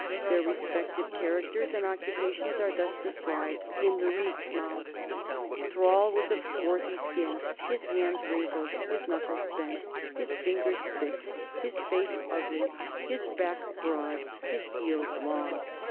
Their respective characters and occupations are thus described in the Rigsmal: Thrall was of swarthy skin, his hands wrinkled, his knuckles bent, his fingers thick, his face ugly, his back broad, his heels long.